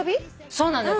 そうなのよ